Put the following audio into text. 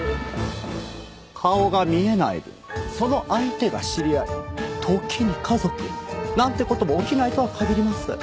顔が見えない分その相手が知り合い時に家族なんて事も起きないとは限りません。